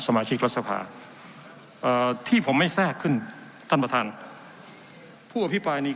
สมาขภาที่ผมไม่แซกขึ้นต้านประทานผู้อพิปายนี้